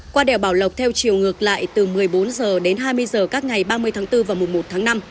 qua đèo bảo lộc theo chiều ngược lại từ một mươi bốn giờ đến hai mươi giờ các ngày ba mươi tháng bốn và một tháng năm